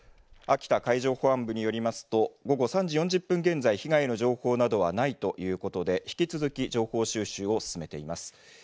秋田海上保安部によりますと午後３時４０分現在、被害の情報などはないということで引き続き情報収集を進めています。